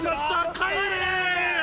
帰れ！